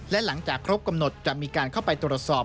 และหลังจากครบกำหนดจะมีการเข้าไปตรวจสอบ